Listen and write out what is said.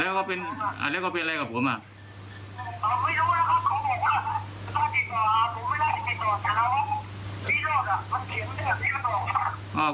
แล้วก็ขอบอกว่าต้องดีกว่าผมไม่รู้แต่แล้วอ่ะมันถึง